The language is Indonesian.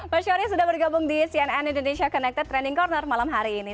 mas yoris sudah bergabung di cnn indonesia connected training corner malam hari ini